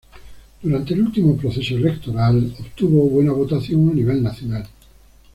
Durante el último proceso electoral obtuvo buena votación a nivel nacional.